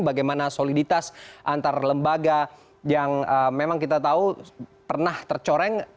bagaimana soliditas antar lembaga yang memang kita tahu pernah tercoreng